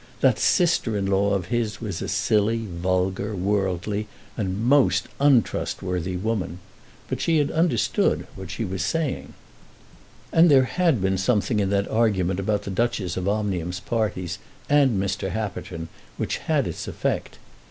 That sister in law of his was a silly, vulgar, worldly, and most untrustworthy woman; but she had understood what she was saying. And there had been something in that argument about the Duchess of Omnium's parties, and Mr. Happerton, which had its effect.